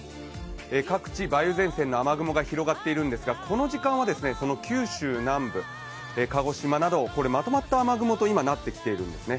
各地、梅雨前線の雨雲が広がっているんですが、この時間、その九州南部、鹿児島などまとまった雨雲と今なってきているんですね。